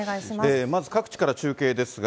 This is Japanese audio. まず各地から中継ですが、